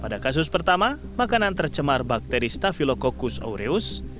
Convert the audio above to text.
pada kasus pertama makanan tercemar bakteri staffylococcus aureus